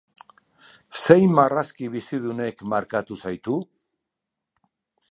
Zein marrazki bizidunek markatu zaitu?